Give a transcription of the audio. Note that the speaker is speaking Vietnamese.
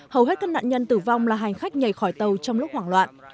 hầu hết các nạn nhân tử vong là hành khách nhảy khỏi tàu trong lúc hoảng loạn